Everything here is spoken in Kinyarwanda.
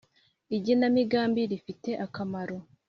Igenamigambi rifite akamaro.